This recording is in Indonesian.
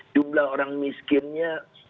jumlah orang miskinnya